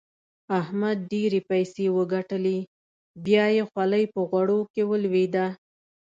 احمد ډېرې پيسې وګټلې؛ بيا يې خولۍ په غوړو کې ولوېده.